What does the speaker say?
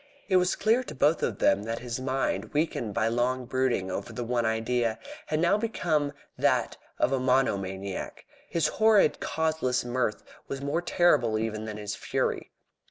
It was clear to both of them that his mind, weakened by long brooding over the one idea, had now at last become that of a monomaniac. His horrid causeless mirth was more terrible even than his fury.